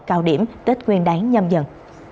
cạo điểm tích nguyên đáng nhâm dần